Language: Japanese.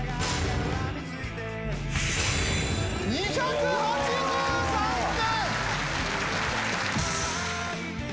２８３点。